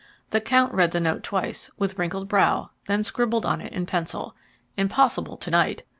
The count read the note twice, with wrinkled brow, then scribbled on it in pencil: "Impossible to night.